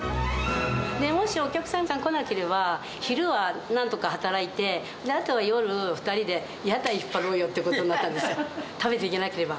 もしお客さんが来なければ、昼はなんとか働いて、あとは夜、２人で屋台引っ張ろうよということになったんですよ、食べていけなければ。